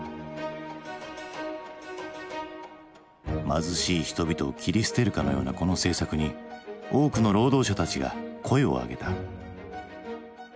貧しい人々を切り捨てるかのようなこの政策に多くの労働者たちが声をあげた。